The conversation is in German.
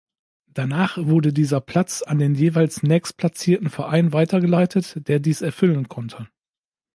Danach wurde dieser Platz an den jeweils nächstplatzierten Verein weitergeleitet, der dies erfüllen konnte.